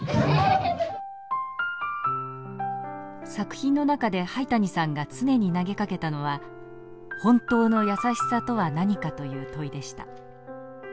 作品の中で灰谷さんが常に投げかけたのは「本当の優しさとは何か」という問いでした。